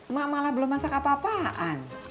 mak malah belum masak apa apaan